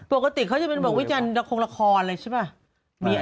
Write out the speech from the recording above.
ปกติเขาจะบอกว่าเจนตะครงละครเลยใช่ปะ